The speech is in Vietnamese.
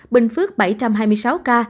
bình phước bảy trăm hai mươi sáu ca